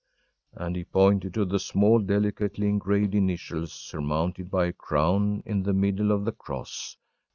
‚ÄĚ And he pointed to the small, delicately engraved initials, surmounted by a crown, in the middle of the cross.